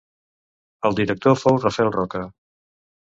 El director fou Rafael Roca.